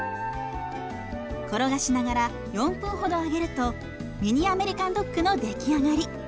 転がしながら４分ほど揚げるとミニアメリカンドッグの出来上がり。